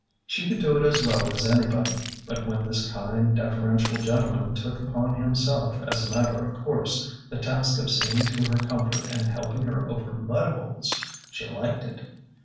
She could do it as well as anybody, but when this kind, deferential gentleman took upon himself, as a matter of course, the task of seeing to her comfort and helping her over mud holes— she liked it.